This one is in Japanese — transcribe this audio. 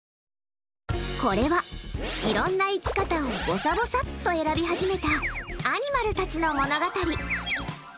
これはいろんな生き方をぼさぼさっと選び始めたアニマルたちの物語。